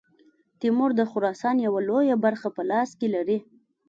تیمور د خراسان یوه لویه برخه په لاس کې لري.